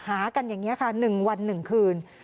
หากันอย่างนี้ค่ะหนึ่งวันหนึ่งคืน